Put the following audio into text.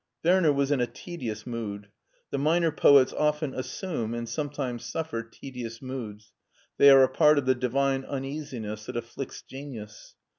Werner was in a tedious mood. The minor poets often assume, and sometimes suffer, tedious moods ; they are a part of the divine uneasiness that afflicts genius.